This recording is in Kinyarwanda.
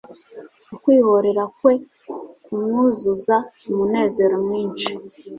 Ukwihorera kwe kumwuzuza umunezero mwinshi,